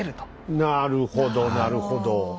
なるほどなるほど。